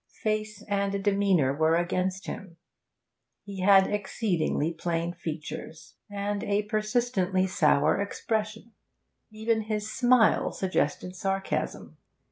Face and demeanour were against him. He had exceedingly plain features, and a persistently sour expression; even his smile suggested sarcasm.